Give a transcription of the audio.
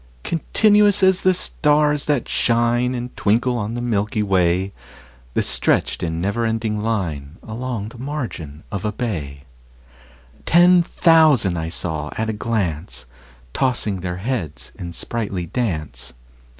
Continuous as the stars that shine And twinkle on the milky way, The stretched in never ending line Along the margin of a bay: Ten thousand saw I at a glance, Tossing their heads in sprightly dance.